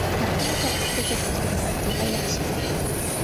ھەر قانداق ۋاقىتتا گەپ-سۆزگە دىققەت قىلغان ياخشى.